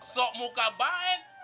sok muka baik